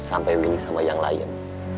sampai begini sama yang lain